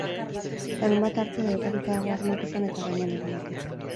Larunbata arte debekatuta dago armak izan eta gainean eramatea.